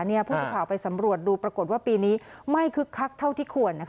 ผู้สื่อข่าวไปสำรวจดูปรากฏว่าปีนี้ไม่คึกคักเท่าที่ควร